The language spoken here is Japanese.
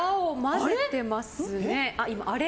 あれ？